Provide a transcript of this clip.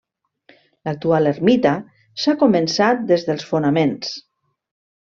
L'actual ermita s'ha començat des dels fonaments.